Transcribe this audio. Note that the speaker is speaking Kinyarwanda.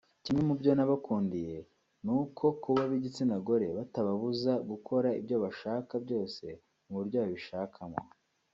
Kimwe mu byo nabakundiye ni uko kuba ab’igitsina gore bitababuza gukora ibyo bashaka byose mu buryo babishakamo